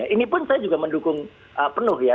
ini pun saya juga mendukung penuh ya